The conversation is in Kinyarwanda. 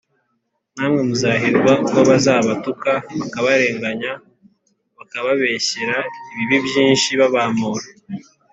namwe muzahirwa ubwo bazabatuka bakabarenganya, bakababeshyera ibibi byinshi babampora